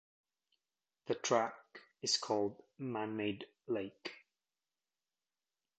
The track is called "Manmade Lake".